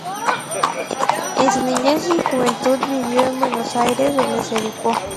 En su niñez y juventud vivió en Buenos Aires, donde se educó.